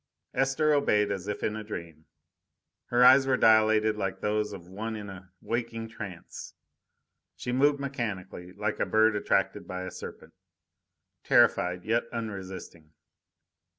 Esther obeyed as if in a dream. Her eyes were dilated like those of one in a waking trance. She moved mechanically, like a bird attracted by a serpent, terrified, yet unresisting.